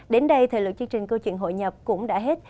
đến đây thời lượng chương trình câu chuyện hội nhập cũng đã hết